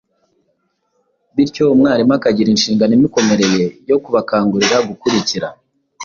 bityo umwarimu akagira inshingano imukomereye yo kubakangurira gukurikira.